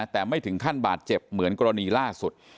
แต่ไม่ถึงขั้นบาดเจ็บเหมือนกรณีล่าสุด